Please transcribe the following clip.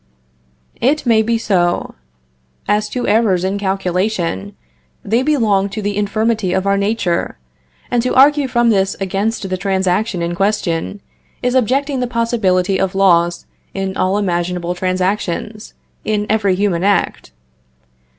It may be so. As to errors in calculation, they belong to the infirmity of our nature, and to argue from this against the transaction in question, is objecting the possibility of loss in all imaginable transactions, in every human act.